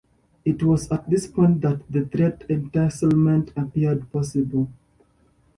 It was at this point that the threat of encirclement appeared possible.